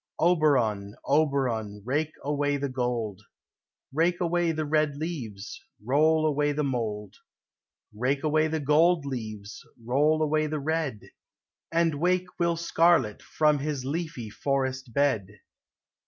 Oberon, Oberon, rake away the gold, Rake away the red leaves, roll away the mold, Rake away the gold leaves, roll away the red, And wake Will Scarlett from his leafy forest bed.